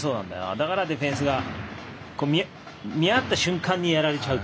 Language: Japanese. だからディフェンスが見合った瞬間にやられちゃう。